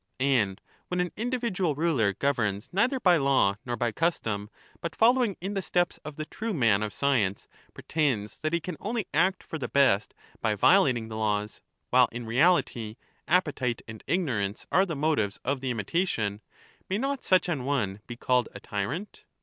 And when an individual ruler governs neither by law nor by custom, but following in the steps of the true man of science pretends that he can only act for the best by violating the laws, while in reality appetite and ignorance are the motives of the imitation, may not such an one be called a tyrant